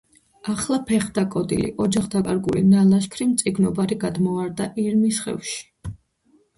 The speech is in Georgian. ახლა ფეხდაკოდილი, ოჯახდაკარგული, ნალაშქრი მწიგნობარი გადმოვარდა ირმის ხევში.